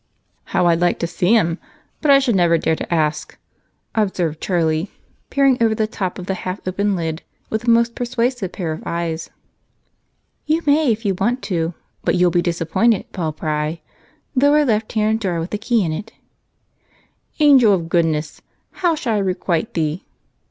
"How I'd like to see 'em! But I should never dare to ask," observed Charlie, peering over the top of the half open lid with a most persuasive pair of eyes. "You may if you want to, but you'll be disappointed, Paul Pry. Lower left hand drawer with the key in it." "'Angel of goodness, how shall I requite thee?